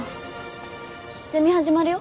ゼミ始まるよ。